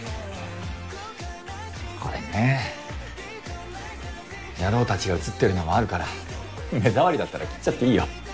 これね野郎達が写ってるのもあるから目障りだったら切っちゃっていいよ。